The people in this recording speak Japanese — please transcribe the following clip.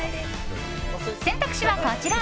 選択肢はこちら。